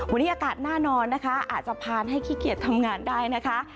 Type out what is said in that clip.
วันนี้อากาศน่านอนนะคะอาจจะผ่านให้ขี้เกียจทำงานได้นะคะ